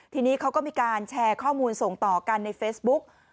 ทีนี้เขาก็มีการแชร์ข้อมูลส่งต่อกันในเฟซบุ๊ก